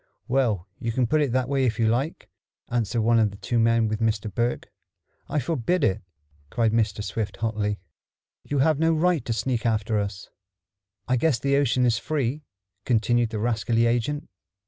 "Well, you can put it that way if you like," answered one of the two men with Mr. Berg. "I forbid it!" cried Mr. Swift hotly. "You have no right to sneak after us." "I guess the ocean is free," continued the rascally agent.